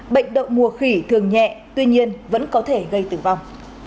bệnh đậu mùa khỉ thường nhẹ tuy nhiên vẫn có thể gây tử vong